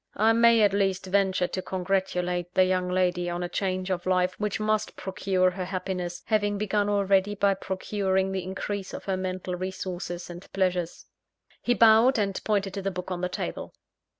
I may at least venture to congratulate the young lady on a change of life which must procure her happiness, having begun already by procuring the increase of her mental resources and pleasures." He bowed, and pointed to the book on the table.